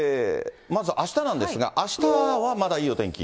まずあしたなんですが、あしたはいいお天気？